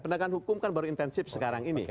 penegakan hukum kan baru intensif sekarang ini